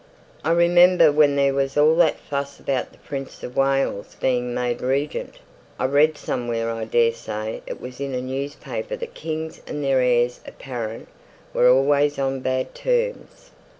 "I remember when there was all that fuss about the Prince of Wales being made regent, I read somewhere I daresay it was in a newspaper that kings and their heirs apparent were always on bad terms.